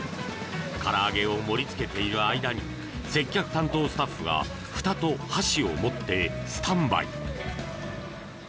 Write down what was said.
からあげを盛り付けている間に接客担当スタッフがふたと箸を持ってスタンバイ。